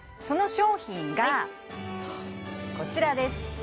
その商品がこちらです